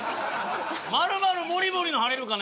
マルマルモリモリの「晴れるかな」